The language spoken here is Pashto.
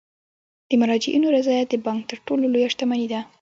د مراجعینو رضایت د بانک تر ټولو لویه شتمني ده.